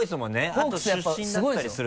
あと出身だったりすると。